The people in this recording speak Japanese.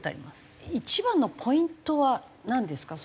一番のポイントはなんですか？